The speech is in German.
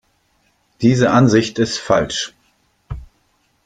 Diese Ansicht ist falsch.